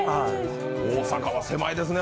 大阪は狭いですね